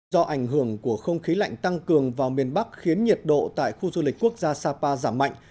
do ảnh hưởng của không khí lạnh tăng cường vào miền bắc khiến nhiệt độ tại khu du lịch quốc gia sapa giảm mạnh